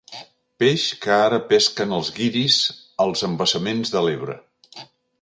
Peix que ara pesquen els guiris als embassaments de l'Ebre.